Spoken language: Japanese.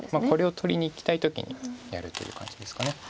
これを取りにいきたい時にやるという感じですか。